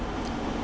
hoàn kiếm rất năng